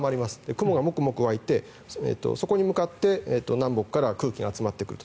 雲がモクモク湧いてそこに向かって南北から空気が集まってくると。